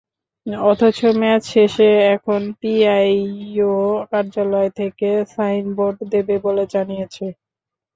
অথচ মেয়াদ শেষে এখন পিআইও কার্যালয় থেকে সাইনবোর্ড দেবে বলে জানিয়েছে।